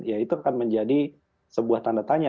ya itu akan menjadi sebuah tanda tanya